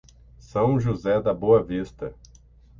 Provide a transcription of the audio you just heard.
São José da Boa Vista